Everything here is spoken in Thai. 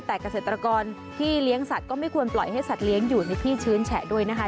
แต่เกษตรกรที่เลี้ยงสัตว์ก็ไม่ควรปล่อยให้สัตว์เลี้ยงอยู่ในที่ชื้นแฉะด้วยนะคะ